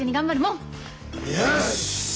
よし！